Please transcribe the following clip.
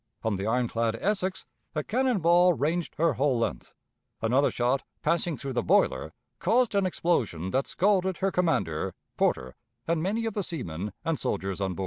On the ironclad Essex a cannon ball ranged her whole length; another shot, passing through the boiler, caused an explosion that scalded her commander, Porter, and many of the seamen and soldiers on board.